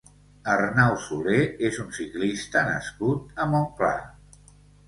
Arnau Solé és un ciclista nascut a Montclar.